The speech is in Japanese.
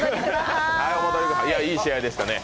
いい試合でしたね。